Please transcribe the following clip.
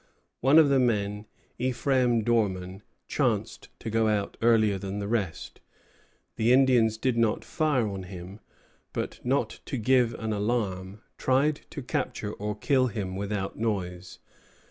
One of the men, Ephraim Dorman, chanced to go out earlier than the rest. The Indians did not fire on him, but, not to give an alarm, tried to capture or kill him without noise.